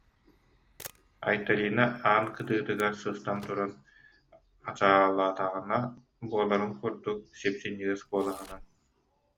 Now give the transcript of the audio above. Айталина аан кытыытыгар сыстан туран, ачаалаатаҕына буоларын курдук, сип-синньигэс куолаһынан: